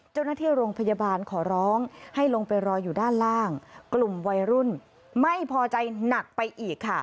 เจ้าหน้าที่โรงพยาบาลขอร้องให้ลงไปรออยู่ด้านล่างกลุ่มวัยรุ่นไม่พอใจหนักไปอีกค่ะ